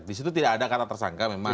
di situ tidak ada kata tersangka memang